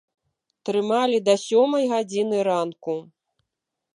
Трымалі да сёмай гадзіны ранку.